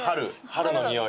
春の匂い。